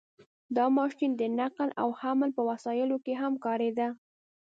• دا ماشین د نقل او حمل په وسایلو کې هم کارېده.